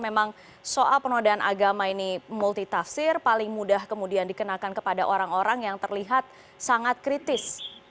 memang soal penodaan agama ini multitafsir paling mudah kemudian dikenakan kepada orang orang yang terlihat sangat kritis